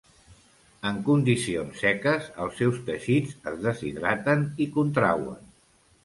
En condicions seques els seus teixits es deshidraten i contrauen.